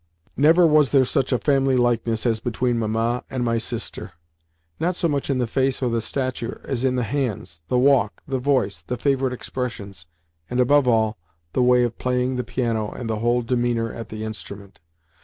Never was there such a family likeness as between Mamma and my sister—not so much in the face or the stature as in the hands, the walk, the voice, the favourite expressions, and, above all, the way of playing the piano and the whole demeanour at the instrument.